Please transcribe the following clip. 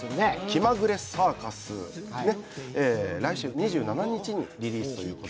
「気まぐれサーカス」、来週２７日にリリースします。